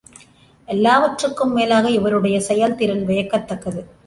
எல்லாவற்றிற்கும் மேலாக இவருடைய செயல்திறன் வியக்கத்தக்கது.